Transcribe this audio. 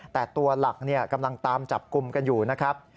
แต่ตัวหลักกำลังตามจับกลุ่มกันอยู่นะครับ